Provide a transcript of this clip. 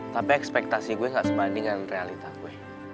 tapi ekspektasi gue gak sebanding dengan realitah gue